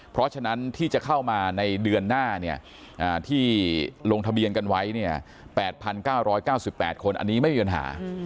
เพราะฉะนั้นที่จะเข้ามาในเดือนหน้าที่ลงทะเบียนกันไว้๘๙๙๘คนอันนี้ไม่มีปัญหา